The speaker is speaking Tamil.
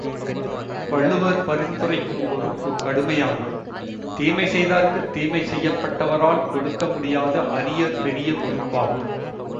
வள்ளுவர் பரிந்துரைக்கும் ஒறுப்பு கடுமையானது தீமை செய்தார்க்குத் தீமை செய்யப்பட்டவரால் கொடுக்க முடியாத அரிய பெரிய ஒறுப்பாகும்.